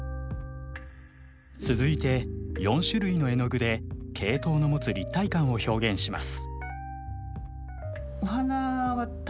続いて４種類の絵の具でケイトウの持つ立体感を表現します。